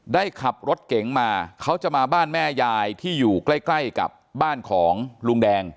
ขับรถเก๋งมาเขาจะมาบ้านแม่ยายที่อยู่ใกล้ใกล้กับบ้านของลุงแดง